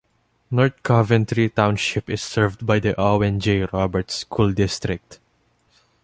North Coventry Township is served by the Owen J. Roberts School District.